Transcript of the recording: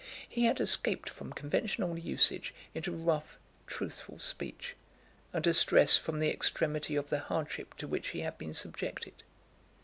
He had escaped from conventional usage into rough, truthful speech, under stress from the extremity of the hardship to which he had been subjected.